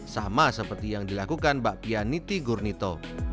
sama seperti yang dilakukan bapia niti gurnito